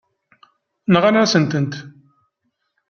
Nɣan-asent-tent.